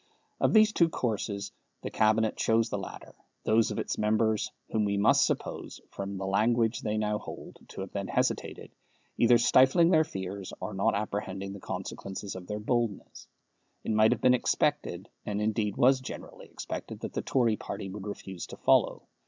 Of these two courses the Cabinet chose the latter, those of its members whom we must suppose, from the language they now hold, to have then hesitated, either stifling their fears or not apprehending the consequences of their boldness. It might have been expected, and indeed was generally expected, that the Tory party would refuse to follow.